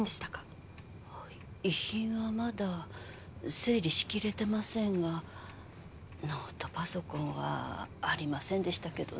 遺品はまだ整理しきれてませんがノートパソコンはありませんでしたけどね。